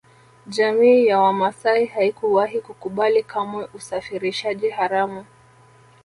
Jamii ya Wamasai haikuwahi kukubali kamwe usafirishaji haramu